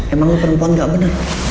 emang perempuan gak benar